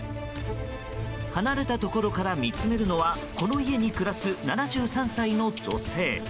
離れたところから見つめるのはこの家に暮らす７３歳の女性。